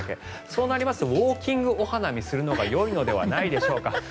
そうなるとウォーキングお花見をするのがよいのではないでしょうか。